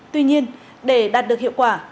tuy nhiên để đạt được hiệu quả